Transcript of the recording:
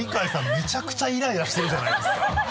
めちゃくちゃイライラしてるじゃないですか。